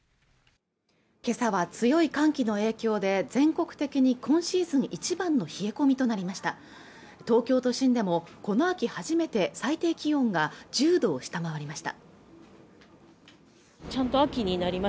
今朝は強い寒気の影響で全国的に今シーズン一番の冷え込みとなりました東京都心でもこの秋初めて最低気温が１０度を下回りました